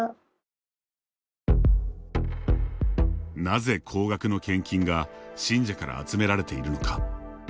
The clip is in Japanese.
なぜ、高額の献金が信者から集められているのか。